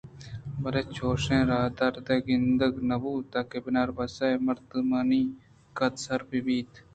بلئے چوشیں راہ ءُدرے گندگ نہ بوت کہ بناربس اے مردمانی قد ءَسر بہ بیت